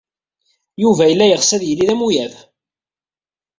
Yuba yella yeɣs ad yili d amuyaf.